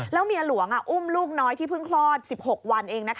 แล้วเมียหลวงอุ้มลูกน้อยที่เพิ่งคลอด๑๖วันเอง